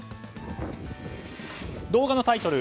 動画のタイトル